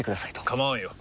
構わんよ。